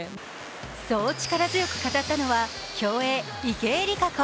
そう力強く語ったのは競泳・池江璃花子。